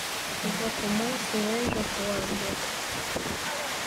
Kuva ku munsi w’ejo kuwa mbere